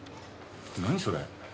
何それ？